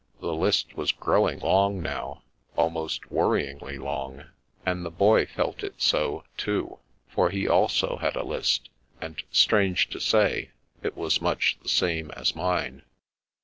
The list was growing long now, almost worryingly long, and the Boy felt it so, too, for he also had a list, and strange to say, it was much the same as mine.